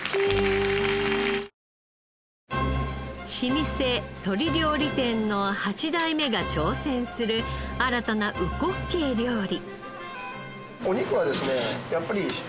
老舗鳥料理店の８代目が挑戦する新たなうこっけい料理。